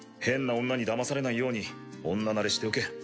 変な女にだまされないように女慣れしておけ。